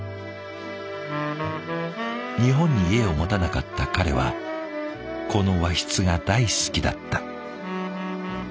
日本に家を持たなかった彼はこの和室が大好きだった。